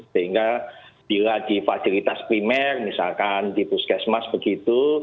sehingga bila di fasilitas primer misalkan di puskesmas begitu